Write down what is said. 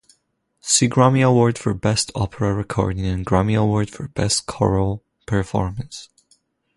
See Grammy Award for Best Opera Recording and Grammy Award for Best Choral Performance.